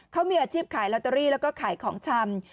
เขามีอาชีพขายตลาดก็ขายของชำ